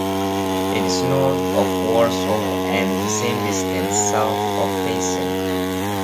It is north of Warsaw and the same distance south of Faison.